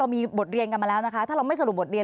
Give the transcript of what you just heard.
มีบทเรียนกันมาแล้วนะคะถ้าเราไม่สรุปบทเรียน